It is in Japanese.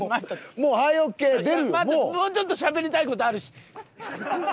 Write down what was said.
もうちょっとしゃべりたい事あるし。